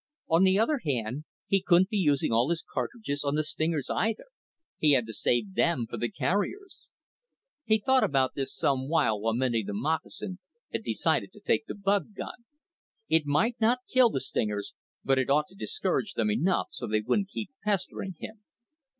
On the other hand, he couldn't be using all his cartridges on the stingers, either, he had to save them for the carriers. He thought about this some while mending the moccasin, and decided to take the bug gun. It might not kill the stingers, but it ought to discourage them enough so they wouldn't keep pestering him.